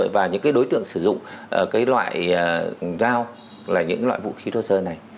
và những cái đối tượng sử dụng cái loại giao là những loại vũ khí thu sơ này